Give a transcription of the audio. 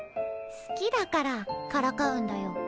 好きだからからかうんだよ。